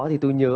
thì túi nhớ